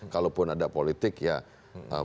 kalaupun ada politik ya menurut saya